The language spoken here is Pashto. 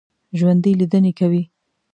ژوندي لیدنې کوي